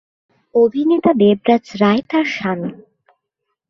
অভিনেতা দেবরাজ রায় তার স্বামী।